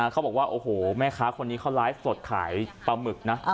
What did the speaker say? เขาบอกว่าโอ้โหแม่ค้าคนนี้เขาไลฟ์สดขายปลาหมึกนะ